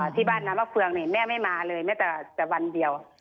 ที่บ้านน้ำมะเฟืองแม่ไม่มาเลยแม้แต่วันเดียว